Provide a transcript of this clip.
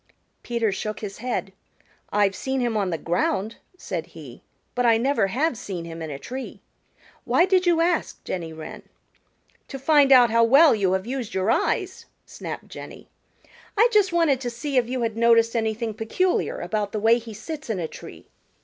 Peter shook his head. "I've seen him on the ground," said he, "but I never have seen him in a tree. Why did you ask, Jenny Wren?" "To find out how well you have used your eyes," snapped Jenny. "I just wanted to see if you had noticed anything peculiar about the way he sits in a tree.